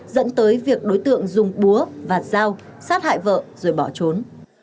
dẫn tới việc đối tượng dùng búa vạt dao sát hại vợ rồi bỏ trốn